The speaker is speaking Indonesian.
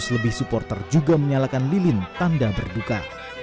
seratus lebih supporter juga menyalakan lilin tanda berduka